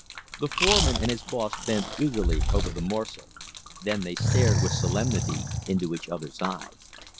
The foreman and his boss bent eagerly over the morsel. Then they stared with solemnity into each other's eyes.